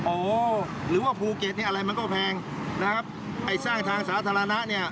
อ๋อหรือว่าภูเก็ตนี่อะไรมันก็แพงนะครับไอ้สร้างทางสาธารณะเนี่ย